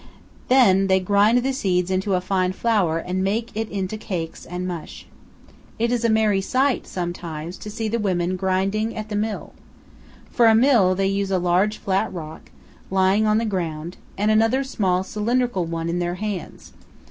Then they grind the seeds into a fine flour and make it into cakes and mush. It is a merry sight, sometimes, to see the women grinding at the THE RIO VIRGEN AND THE UINKARET MOUNTAINS. 319 mill. For a mill, they use a large flat rock, lying on the ground, and another small cylindrical one in their hands.